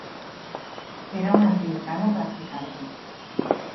Era un anglicano practicante.